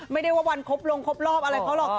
ไม่ได้ว่าวันครบลงครบรอบอะไรเขาหรอก